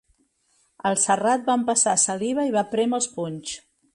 El Serrat va empassar saliva i va prémer els punys.